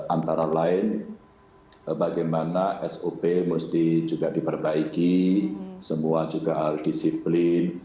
antara lain bagaimana sop mesti juga diperbaiki semua juga harus disiplin